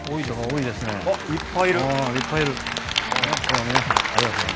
いっぱいいる。